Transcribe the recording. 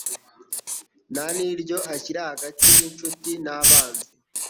nta n'iryo ashyira hagati y'inshuti n'abanzi.